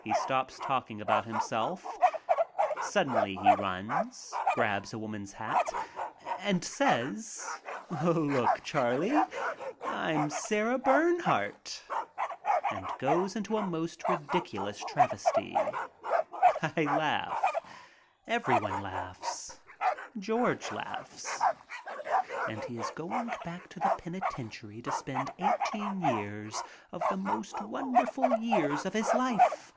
He stops talking about himself. Suddenly he runs, grabs a woman's hat, and says, "Look, Charlie, I'm Sarah Bern hardt!" and goes into a most ridiculous travesty. I laugh. Everyone laughs. George laughs. And he is going back to the penitentiary to spend eigh teen of the most wonderful years of his life